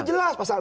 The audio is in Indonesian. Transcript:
itu jelas pasal